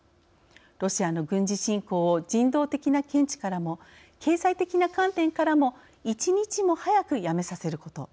ロシアの軍事侵攻を人道的な見地からも経済的な観点からも一日も早くやめさせること。